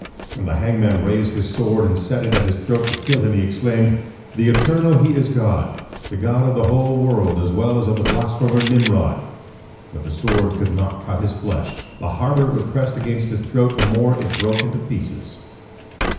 When the hangman raised his sword and set it at his throat to kill him, he exclaimed, "The Eternal He is God, the God of the whole world as well as of the blasphemer Nimrod." But the sword could not cut his flesh. The harder it was pressed against his throat, the more it broke into pieces.